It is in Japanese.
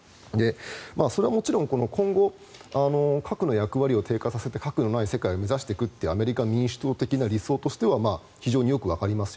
それはもちろん、今後核の役割を低下させて核のない世界を目指していくというアメリカ民主党の理想としては非常によくわかります。